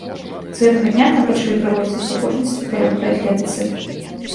З гэтага дня там пачалі праводзіцца спаборніцтвы па лёгкай атлетыцы.